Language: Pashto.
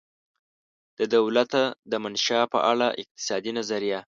د دولته دمنشا په اړه اقتصادي نظریه